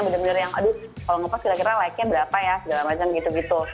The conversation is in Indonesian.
bener bener yang aduh kalau ngepost kira kira like nya berapa ya segala macam gitu gitu